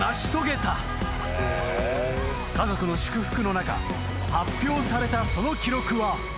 ［家族の祝福の中発表されたその記録は］